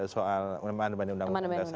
soal manda mandi undang undang dasarnya